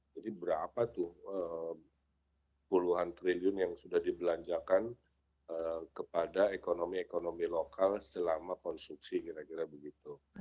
jadi berapa tuh puluhan triliun yang sudah dibelanjakan kepada ekonomi ekonomi lokal selama konstruksi kira kira begitu